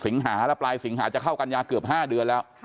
สิงหาแล้วปลายสิงหาจะเข้ากันยาเกือบ๕เดือนแล้ว